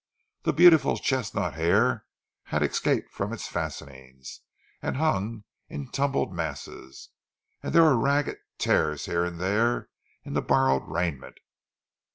The beautiful chestnut hair had escaped from its fastenings, and hung in tumbled masses, and there were ragged tears here and there in the borrowed raiment.